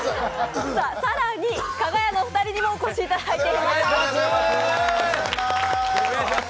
更に、かが屋のお二人にもお越しいただいています。